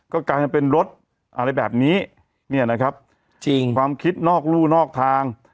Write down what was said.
ก็กลายเป็นรถอะไรแบบนี้เนี่ยนะครับจริงความคิดนอกรู่นอกทาง